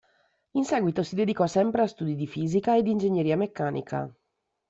In seguito si dedicò sempre a studi di fisica ed ingegneria meccanica.